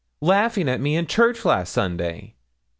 laughing at me in church last Sunday.